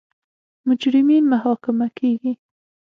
مجرمین محاکمه کیږي.